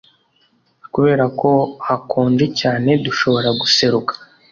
Kubera ko hakonje cyane dushobora guseruka